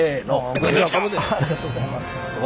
ありがとうございます。